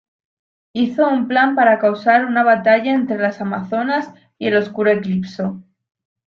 Hizo un plan para causar una batalla entre las Amazonas y el oscuro Eclipso.